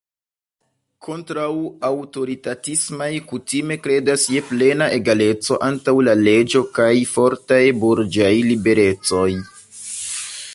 Kontraŭ-aŭtoritatismaj kutime kredas je plena egaleco antaŭ la leĝo kaj fortaj burĝaj liberecoj.